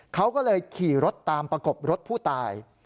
เขาก็เลยขี่รถตามประกบรถผู้ตาย